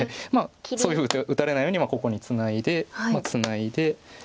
そう打たれないようにここにツナいでツナいで。